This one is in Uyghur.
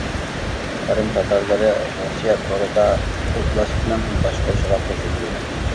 قىرىم تاتارلىرى رۇسىيە تورىدا ئوبلاستىنىڭ باشقۇرۇشىغا قوشۇۋېتىلدى.